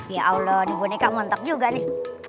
ya allah diboneka montak juga nih